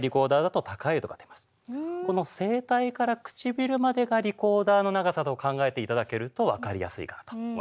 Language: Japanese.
この声帯から唇までがリコーダーの長さと考えていただけると分かりやすいかなと思います。